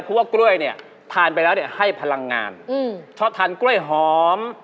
เพราะว่ากล้วยเนี่ยทานไปแล้วเนี่ยให้พลังงานชอบทานกล้วยหอม